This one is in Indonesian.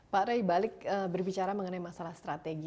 pak rey balik berbicara mengenai masalah strategi